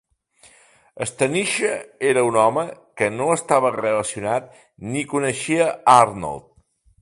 Stanisha era un home que no estava relacionat ni coneixia Arnold.